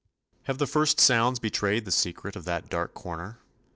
Have the first sounds betrayed the secret of that dark corner?